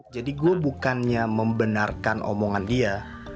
jadi gue bukannya membenarkan omongan dia